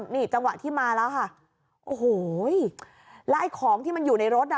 นี่จังหวะที่มาแล้วค่ะโอ้โหแล้วไอ้ของที่มันอยู่ในรถอ่ะ